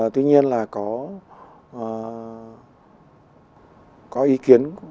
tuy nhiên là có một số kế hoạch tài chính của mình